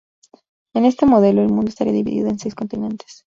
En este modelo, el mundo estaría dividido en seis continentes.